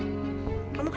kamu bisa berjaga jaga